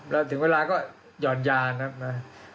แล้วถึงเวลาก็หย่อนยานครับนะ